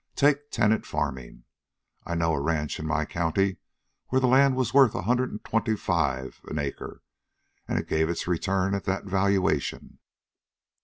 Take tenant farming. I know a ranch in my county where the land was worth a hundred and twenty five an acre. And it gave its return at that valuation.